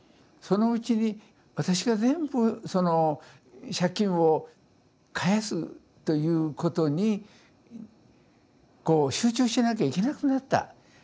そのうちに私が全部その借金を返すということにこう集中しなきゃいけなくなった。